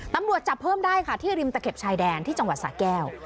ตำรวจจับเพิ่มได้ค่ะที่ริมตะเข็บชายแดนที่จังหวัดสะแก้ว